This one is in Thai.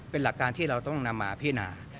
เป็นหลักการที่เราต้องนำมาพินา